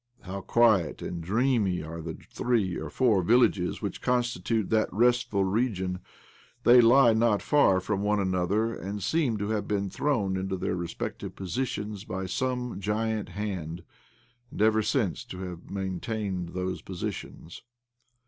OBLOMOV 8 1 How quiet and dreamy are the three or four villages which constitute that restful region I They lie not far from one another, and seem to have been thrown into their respective positions by some giant hiand^ and ever since to have maintained those positions.